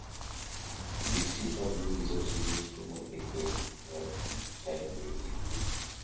Sixteen-bar blues is also used commonly in ragtime music.